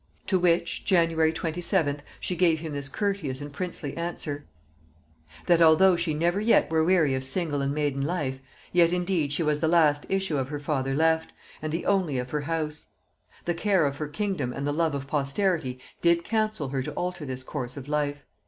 To which, January 27th she gave him this courteous and princely answer: 'That although she never yet were weary of single and maiden life, yet indeed she was the last issue of her father left, and the only of her house; the care of her kingdom and the love of posterity did counsel her to alter this course of life.